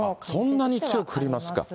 そんなに強く降りますか。